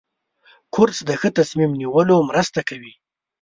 کورس د ښه تصمیم نیولو مرسته کوي.